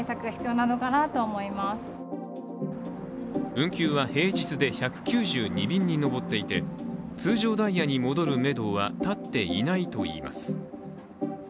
運休は平日で１９２便に上っていて通常ダイヤに戻るめどは立っていないといいます。